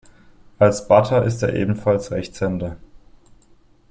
Als Batter ist er ebenfalls Rechtshänder.